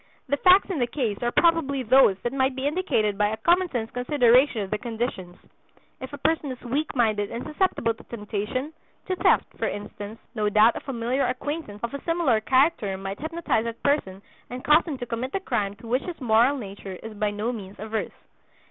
The facts in the case are probably those that might be indicated by a common sense consideration of the conditions. If a person is weak minded and susceptible to temptation, to theft, for instance, no doubt a familiar acquaintance of a similar character might hypnotize that person and cause him to commit the crime to which his moral nature is by no means averse.